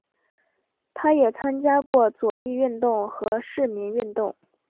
他也参加过左翼运动和市民运动。